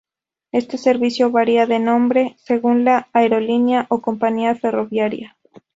Este servicio varía de nombre, según la aerolínea o compañía ferroviaria.